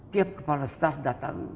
tiap kepala staf datang